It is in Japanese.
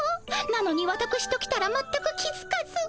なのにわたくしときたら全く気づかず。